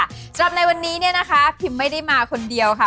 สำหรับในวันนี้เนี่ยนะคะพิมไม่ได้มาคนเดียวค่ะ